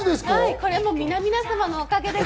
これも皆々様のおかげです。